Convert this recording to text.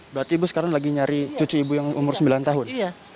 berarti ibu sekarang lagi nyari cucu ibu yang umur sembilan tahun